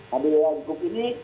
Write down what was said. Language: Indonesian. nah di a group ini